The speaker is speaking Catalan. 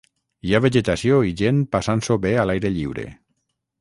Hi ha vegetació i gent passant-s'ho bé a l'aire lliure